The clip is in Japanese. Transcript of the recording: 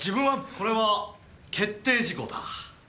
これは決定事項だ。